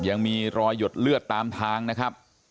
ยังมีรอยหยดเลือดตามทางนะครับ